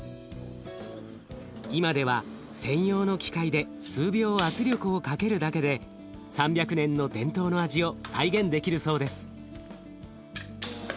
今では専用の機械で数秒圧力をかけるだけで３００年の伝統の味を再現できるそうです。